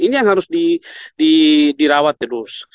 ini yang harus dirawat terus